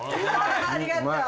ありがとう。